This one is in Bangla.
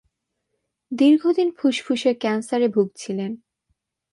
দীর্ঘদিন ফুসফুসের ক্যান্সারে ভুগছিলেন।